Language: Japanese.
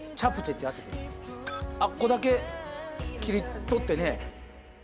あっこだけ切り取ってね